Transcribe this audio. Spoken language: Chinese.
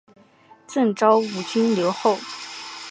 赠昭武军留后。